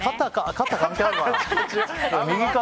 肩関係あるかな？